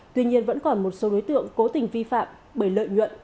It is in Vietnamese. tuy nhiên vẫn còn một số đối tượng cố tình vi phạm bởi lợi nhuận